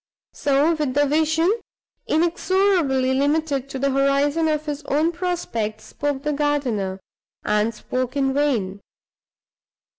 So, with vision inexorably limited to the horizon of his own prospects, spoke the gardener, and spoke in vain.